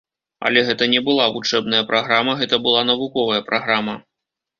Але гэта не была вучэбная праграма, гэта была навуковая праграма.